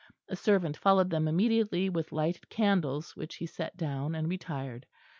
A servant followed them immediately with lighted candles which he set down and retired.